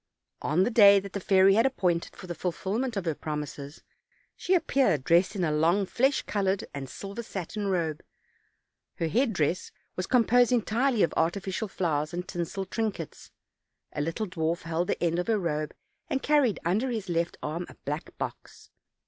On the day that the fairy had appointed for the fulfill ment of her promises, she appeared dressed in a long flesh colored and silver satin robe; her headdress was composed entirely of artificial flowers and tinsel trinkets; a little dwarf held the end of her robe, and carried under his left arm a black box.